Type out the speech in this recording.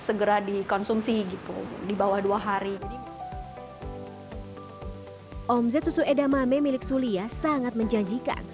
segera dikonsumsi gitu dibawah dua hari omzet susu edamame milik sulia sangat menjanjikan